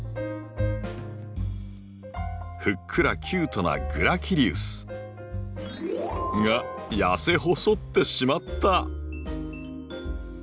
ふっくらキュートなグラキリウス。が痩せ細ってしまった！